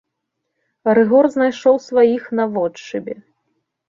Рыгор знайшоў сваіх наводшыбе.